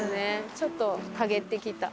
ちょっと陰ってきた。